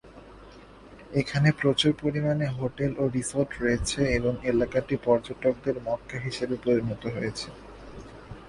এখানে প্রচুর পরিমাণে হোটেল ও রিসোর্ট রয়েছে এবং এলাকাটি পর্যটকদের মক্কা হিসেবে পরিণত হয়েছে।